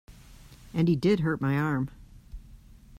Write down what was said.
And he did hurt my arm.